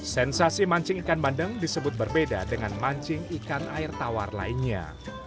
sensasi mancing ikan bandeng disebut berbeda dengan mancing ikan air tawar lainnya